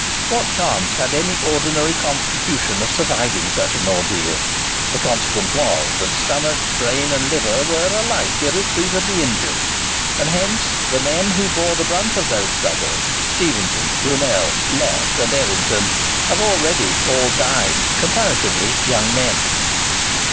What chance had any ordinary constitution of surviving such an ordeal? The consequence was, that stomach, brain, and liver were alike irretrievably injured; and hence the men who bore the brunt of those struggles—Stephenson, Brunel, Locke, and Errington—have already all died, comparatively young men.